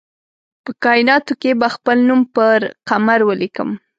په کائیناتو کې به خپل نوم پر قمر ولیکم